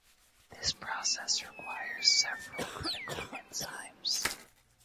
This process requires several critical enzymes.